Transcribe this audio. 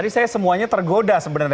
semuanya tergoda sebenarnya